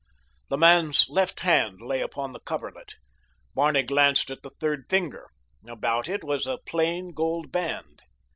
The man's left hand lay upon the coverlet. Barney glanced at the third finger. About it was a plain gold band.